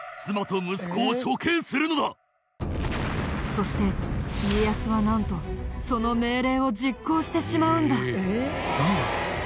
そして家康はなんとその命令を実行してしまうんだ。